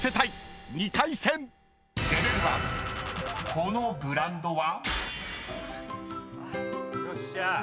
［このブランドは？］